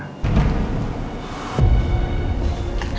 kenapa bapak tiba tiba menanyakan